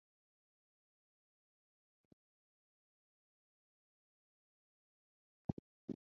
Each pattern starts with a bar and ends with a space.